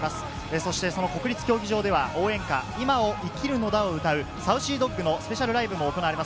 そして国立競技場では、応援歌『現在を生きるのだ。』を歌うＳａｕｃｙＤｏｇのスペシャルライブも行われます。